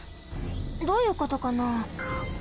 どういうことかな？